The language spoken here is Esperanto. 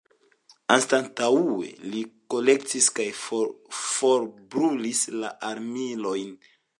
Anstataŭe ili kolektis kaj forbrulis la armilojn.